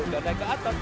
udah naik ke atas